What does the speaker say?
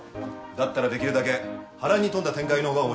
だったらできるだけ波乱に富んだ展開の方が面白い。